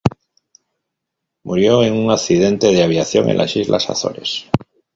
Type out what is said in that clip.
Murió en un accidente de aviación en las islas Azores.